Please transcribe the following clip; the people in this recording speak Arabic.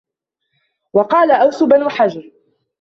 وَقَالَ أَوْسُ بْنُ حَجَرٍ